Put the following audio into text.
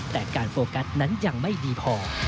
แต่การโฟกัสนั้นยังไม่ดีพอ